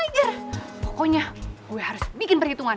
makin kurang aja pokoknya gue harus bikin perhitungan